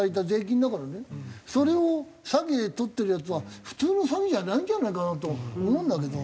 それを詐欺で取ってるヤツは普通の詐欺じゃないんじゃないかなと思うんだけど。